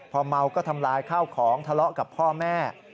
พอเมาก็ทำลายข้าวของทะเลาะกับพ่อแม่